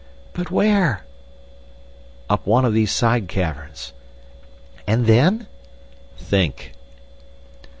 "But where?" "Up one of these side caverns." "And then?" "Think."